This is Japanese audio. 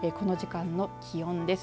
この時間の気温です。